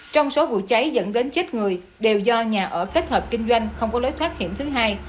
trong số vụ cháy dẫn đến chết người đều do nhà ở kết hợp kinh doanh không có lối thoát hiểm thứ hai